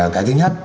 cái thứ nhất